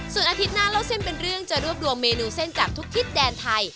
ส่วนอาทิตย์หน้าเล่าเส้นเป็นเรื่องจะรวบรวมเมนูเส้นจากทุกทิศแดนไทย